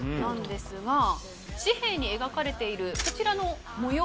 紙幣に描かれているこちらの模様。